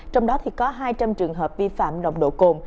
trong đó có hai trăm linh trường hợp vi phạm nồng độ cồn